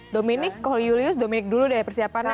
dominik kalau julius dominik dulu deh persiapannya